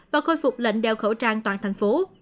và khôi phục lệnh đeo khẩu trang toàn thành phố